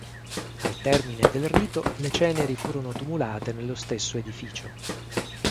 Al termine del rito le ceneri furono tumulate nello stesso edificio.